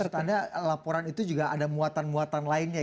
menurut anda laporan itu juga ada muatan muatan lainnya